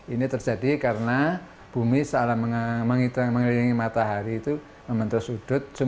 ini terjadi karena bumi seolah mengelilingi matahari itu membentuk sudut